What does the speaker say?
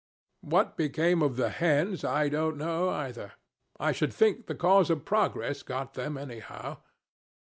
What became of the hens I don't know either. I should think the cause of progress got them, anyhow.